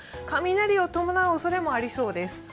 雷を伴うおそれもありそうです。